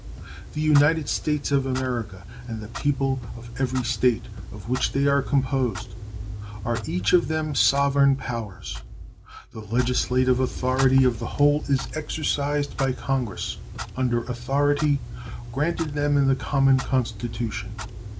The United States of America and the people of every State of which they are composed are each of them sovereign powers. The legislative authority of the whole is exercised by Congress under authority granted them in the common Constitution.